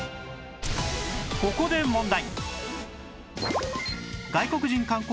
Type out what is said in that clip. ここで問題